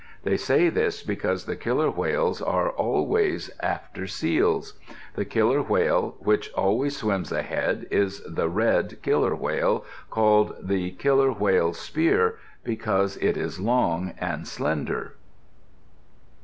They say this because the killer whales are always after seals. The killer whale which always swims ahead is the red killer whale, called the "killer whale spear" because it is long and slender.